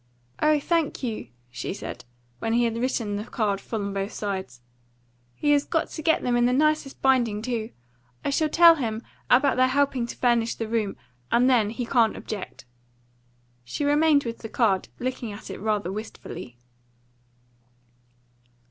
"Oh, thank you," she said, when he had written the card full on both sides. "He has got to get them in the nicest binding, too. I shall tell him about their helping to furnish the room, and then he can't object." She remained with the card, looking at it rather wistfully.